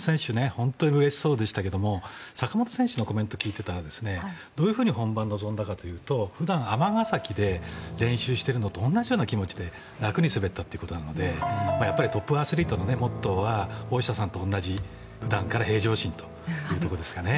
本当にうれしそうでしたけど坂本選手のコメントを聞いていたらどういうふうに本番に臨んだかというと普段尼崎で練習しているのと同じような気持ちで楽に滑ったということなのでトップアスリートのモットーは大下さんと同じ普段から平常心というところですかね。